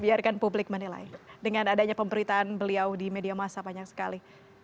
biarkan publik menilai dengan adanya pemberitaan beliau di media masa banyak sekali